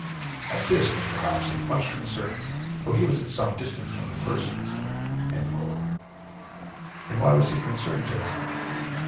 At this Mr. Hobbes seemed much concerned, though he was at some distance from the persons." And why was he concerned, gentlemen?